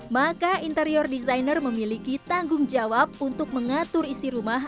maka interior designer memiliki tanggung jawab untuk mengatur isi rumah